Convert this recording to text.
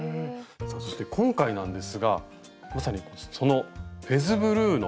さあそして今回なんですがまさにその「フェズブルー」の。